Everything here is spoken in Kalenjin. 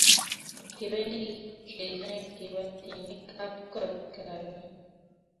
Kipendi ke cheng kipatinik ab kot karun